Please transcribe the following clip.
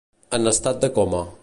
En estat de coma.